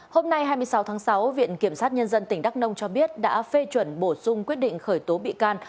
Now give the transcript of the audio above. hôm nay hai mươi sáu tháng sáu viện kiểm sát nhân dân tỉnh đắk nông cho biết đã phê chuẩn bổ sung quyết định khởi tố bị can